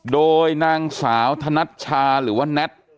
โดยนางสาวธนัชชาหรือว่าแน็ต